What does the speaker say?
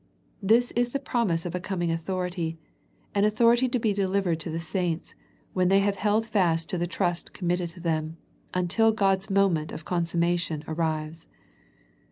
This is the promise of a coming authority, an authority to be de livered to the saints, when they have held fast to the trust committed to them, until God's moment of consummation arrives.